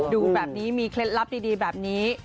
ดูแบบนี้มีเคล็ดลับดีแบบนี้